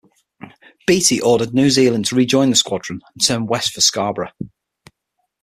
Beatty ordered "New Zealand" to rejoin the squadron and turned west for Scarborough.